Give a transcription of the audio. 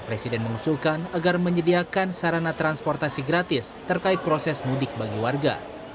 presiden mengusulkan agar menyediakan sarana transportasi gratis terkait proses mudik bagi warga